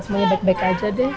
semuanya baik baik aja deh